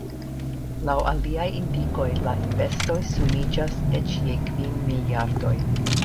Laŭ aliaj indikoj la investoj sumiĝas eĉ je kvin miliardoj.